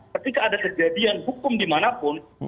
ketika ada kejadian hukum dimanapun